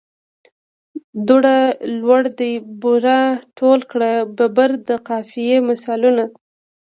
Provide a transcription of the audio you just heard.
دوړه، لوړ دي، بوره، ټول کړه، ببره د قافیې مثالونه.